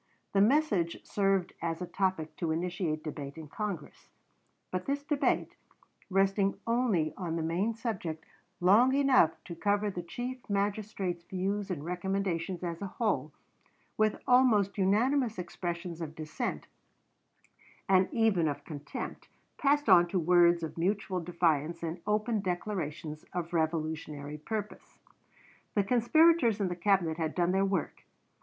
The message served as a topic to initiate debate in Congress; but this debate, resting only on the main subject long enough to cover the Chief Magistrate's views and recommendations as a whole, with almost unanimous expressions of dissent, and even of contempt, passed on to words of mutual defiance and open declarations of revolutionary purpose. The conspirators in the Cabinet had done their work.